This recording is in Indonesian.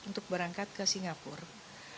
untuk berangkat ke singapura